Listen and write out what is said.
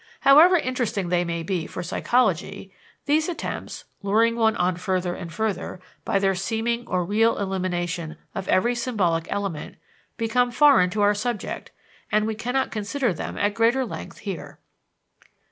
However interesting they may be for psychology, these attempts, luring one on further and further, by their seeming or real elimination of every symbolic element, become foreign to our subject, and we cannot consider them at greater length here.